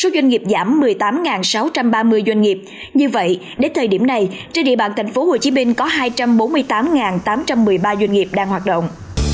doanh nghiệp giảm một mươi tám sáu trăm ba mươi doanh nghiệp như vậy đến thời điểm này trên địa bàn tp hcm có hai trăm bốn mươi tám tám trăm một mươi ba doanh nghiệp đang hoạt động